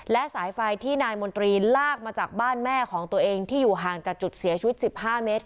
และสายไฟที่นายมนตรีลากมาจากบ้านแม่ของตัวเองที่อยู่ห่างจากจุดเสียชีวิต๑๕เมตร